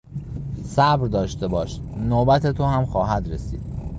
صبر داشته باش، نوبت تو هم خواهد رسید.